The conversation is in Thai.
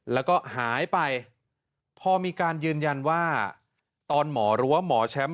แล้วก็หายไปพอมีการยืนยันว่าตอนหมอหรือว่าหมอแชมป์